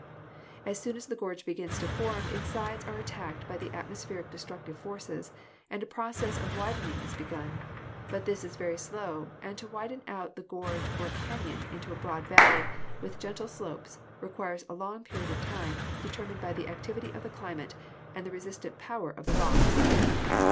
As soon as the gorge begins to form, its sides are at tacked by the atmospheric destructive forces and a process of widening is begun; but this is very slow and to widen out the gorge or canon into a broad valley, with gentle slopes, requires a very long period of time, determined by the activity of the climate and the resistant power of the rocks.